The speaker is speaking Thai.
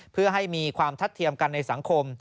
เพื่อให้มีความทัดเทียมกันในสังคม